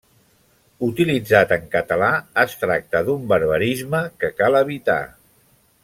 Utilitzat en català es tracta d'un barbarisme que cal evitar.